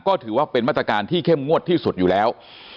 ก็ถือว่าเป็นมาตรการที่เข้มงวดที่สุดอยู่แล้ว